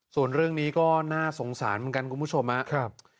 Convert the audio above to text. ส่วนเรื่องนี้ก็น่าสงสารเหมือนกันคุณผู้ชมครับ